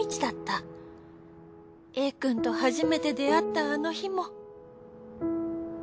Ａくんと初めて出会ったあの日も。